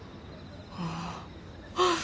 ああ。